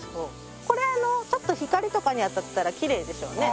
これちょっと光とかに当たったらきれいでしょうね。